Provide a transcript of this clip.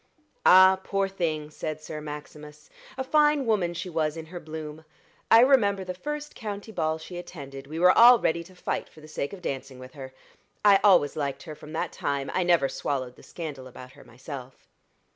"Ah, poor thing!" said Sir Maximus. "A fine woman she was in her bloom. I remember the first county ball she attended we were all ready to fight for the sake of dancing with her. I always liked her from that time I never swallowed the scandal about her myself."